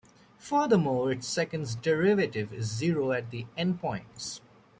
Furthermore, its second derivative is zero at the end points.